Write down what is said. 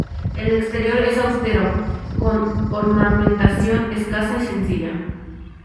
El exterior es austero, con ornamentación escasa y sencilla.